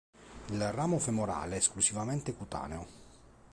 Il ramo femorale è esclusivamente cutaneo.